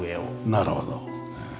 なるほど。